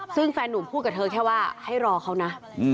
ซึ่งแฟนนุ่มพูดกับเธอแค่ว่าให้รอเขานะ